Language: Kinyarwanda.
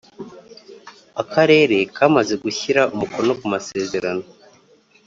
Akarere kamaze gushyira umukono kumasezerano